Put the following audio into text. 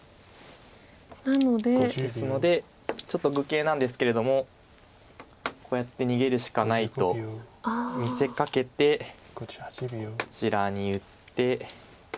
なので。ですのでちょっと愚形なんですけれどもこうやって逃げるしかないと見せかけてこちらに打って。